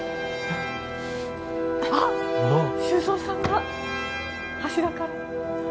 あっ、修造さんが柱から。